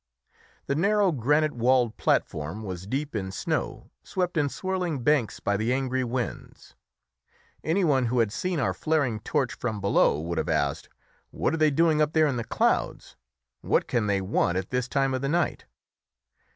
The narrow granite walled platform was deep in snow, swept in swirling banks by the angry winds. Any one who had seen our flaring torch from below would have asked, "What are they doing up there in the clouds? what can they want at this time of the night?"